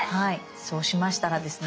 そうしましたらですね